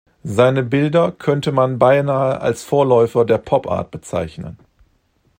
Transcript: Seine Bilder könnte man beinahe als Vorläufer der Pop-Art bezeichnen.